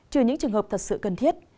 trừ những trường hợp thật sự cần thiết